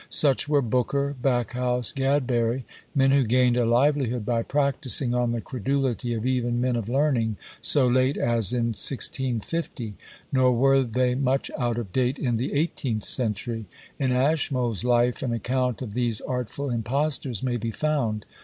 Such were Booker, Backhouse, Gadbury; men who gained a livelihood by practising on the credulity of even men of learning so late as in 1650, nor were they much out of date in the eighteenth century. In Ashmole's Life an account of these artful impostors may be found.